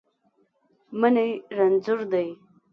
منی رنځور دی